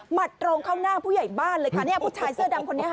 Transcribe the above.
ตรงเข้าหน้าผู้ใหญ่บ้านเลยค่ะเนี่ยผู้ชายเสื้อดำคนนี้ค่ะ